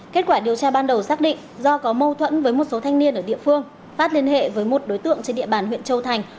kết quả điều tra ban đầu xác định do có mâu thuẫn với một số thanh niên ở địa phương phát liên hệ với một đối tượng trên địa bàn huyện châu thành